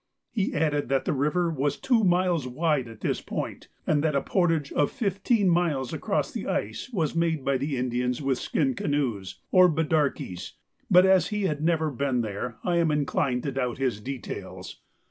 He added that the river was two miles wide at this point, and that a portage of fifteen miles across the ice was made by the Indians with skin canoes, or bidarkies, but as he had never been there I am inclined to doubt his details.